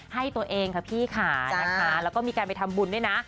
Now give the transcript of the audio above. ให้ตัวเองค่ะพี่ค่ะนะคะแล้วก็มีการไปทำบุญด้วยนะ